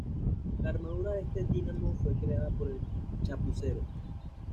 La armadura de este Dínamo fue creada por el Chapucero.